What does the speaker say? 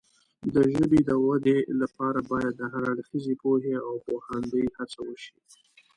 د ژبې د وده لپاره باید د هر اړخیزې پوهې او پوهاندۍ هڅه وشي.